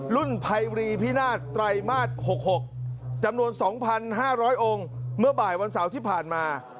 ไพรีพินาศไตรมาส๖๖จำนวน๒๕๐๐องค์เมื่อบ่ายวันเสาร์ที่ผ่านมา